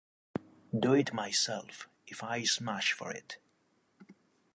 Do it myself if I smash for it!